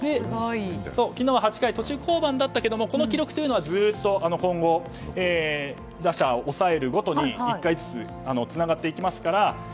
昨日８回途中降板だったけれどもこの記録はずっと今後、打者を抑えるごとに１回ずつつながっていきますから。